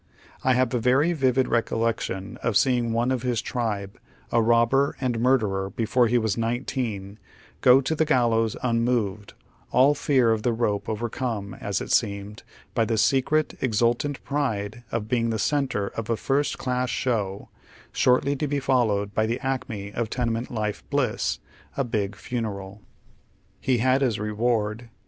I have a very vivid recollection of seeing one of liis tribe, a robber and murderer before he was nineteen, go to the gallows unmoved, all fear of the rope ovei'come, as it seemed, by tiie secret, exultant pride of being the centre of a lirst class siiow, shortly to be fol lowed by that acme of tenement life bliss, a big funeral. He had his reward.